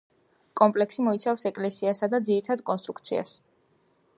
კომპლექსი მოიცავს ეკლესიასა და ძირითად კონსტრუქციას.